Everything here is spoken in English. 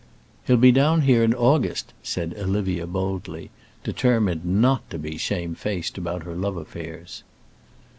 "He'll be down here in August," said Olivia, boldly, determined not to be shamefaced about her love affairs.